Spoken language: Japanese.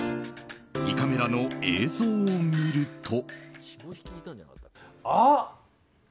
胃カメラの映像を見ると。